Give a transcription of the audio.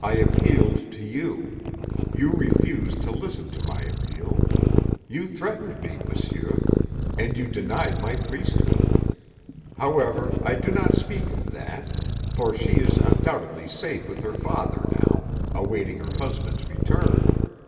"I appealed to you. You refused to listen to my appeal. You threatened me, monsieur. And you denied my priesthood. However, I do not speak of that, for she is undoubtedly safe with her father now, awaiting her husband's return.